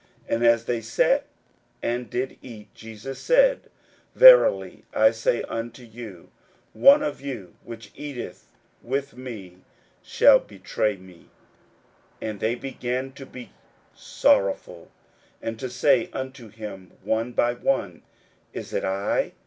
41:014:018 And as they sat and did eat, Jesus said, Verily I say unto you, One of you which eateth with me shall betray me. 41:014:019 And they began to be sorrowful, and to say unto him one by one, Is it I?